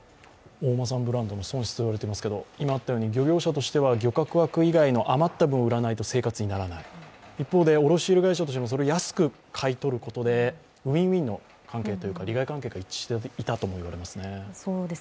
大間産ブランドの損失と言われていますけど今あったように漁業者としては漁獲枠以外の余った分を売らないと生活にならない、一方で卸売会社としてもそれを安く買い取ることでＷｉｎ−Ｗｉｎの、利害関係が一致していたと思いますね。